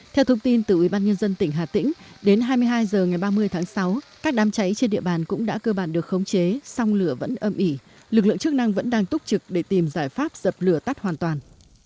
theo thông tin từ ubnd tỉnh hà tĩnh đến hai mươi hai h ngày ba mươi tháng sáu các đám cháy trên địa bàn cũng đã cơ bản được khống chế song lửa vẫn âm ỉ lực lượng chức năng vẫn đang túc trực để tìm giải pháp dập lửa tắt hoàn toàn